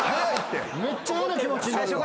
めっちゃ嫌な気持ちになるわ。